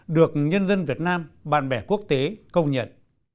được nhân dân việt nam bạn bè quốc tế công nhận